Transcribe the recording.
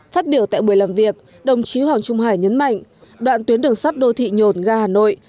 phát biểu tại buổi làm việc đồng chí hoàng trung hải nhấn mạnh đoạn tuyến đường sắt đô thị nhồn ga hà nội